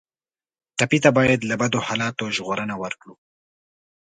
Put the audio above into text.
ټپي ته باید له بدو حالاتو ژغورنه ورکړو.